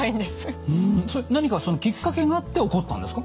それその何かきっかけがあって起こったんですか？